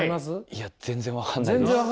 いや全然分かんないです。